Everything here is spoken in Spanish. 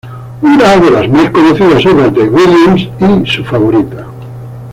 Una de las más conocidas obras de Williams y su favorita.